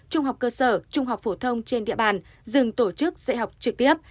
trung học cơ sở trung học phổ thông trên địa bàn dừng tổ chức dạy học trực tiếp